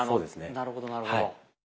なるほどなるほど。